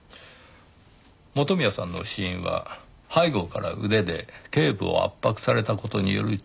元宮さんの死因は背後から腕で頸部を圧迫された事による窒息。